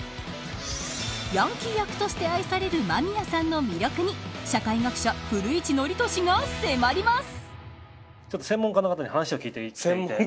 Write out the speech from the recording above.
ヤンキー役として愛される間宮さんの魅力に社会学者、古市憲寿が迫ります。